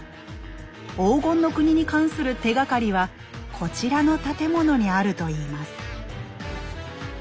黄金の国に関する手がかりはこちらの建物にあるといいます。